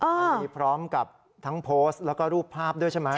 มันมีพร้อมกับทั้งโพสต์แล้วก็รูปภาพด้วยใช่ไหม